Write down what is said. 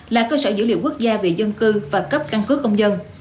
là cơ sở dữ liệu quốc gia về dân cư và cấp căn cước công dân